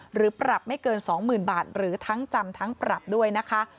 หรือปรับไม่เกิน๒๐๐๐บาทหรือทั้งจำทั้งปรับด้วยนะคะ